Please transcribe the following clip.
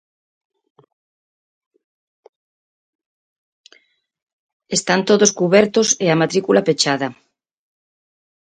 Están todos cubertos e a matrícula pechada.